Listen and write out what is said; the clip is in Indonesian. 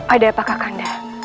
aida apakah kakanda